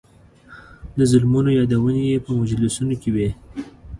د ظلمونو یادونې یې په مجلسونو کې وې.